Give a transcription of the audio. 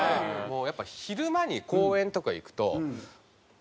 もうやっぱり昼間に公園とか行くと。